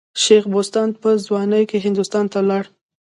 شېخ بستان په ځوانۍ کښي هندوستان ته ولاړ.